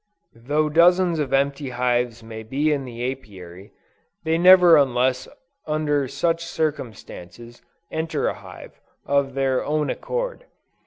Though dozens of empty hives may be in the Apiary, they never unless under such circumstances, enter a hive, of their own accord.